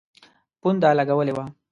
پونډه لګولي وه.